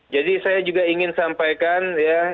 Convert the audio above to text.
jadi saya juga ingin sampaikan